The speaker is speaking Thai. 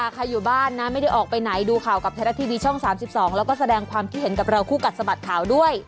ใครอยู่บ้านนะไม่ได้ออกไปไหนดูข่าวกับไทยรัฐทีวีช่อง๓๒แล้วก็แสดงความคิดเห็นกับเราคู่กัดสะบัดข่าวด้วย